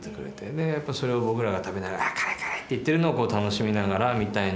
でやっぱそれを僕らが食べながら「ああ辛い辛い」って言ってるのをこう楽しみながらみたいなの。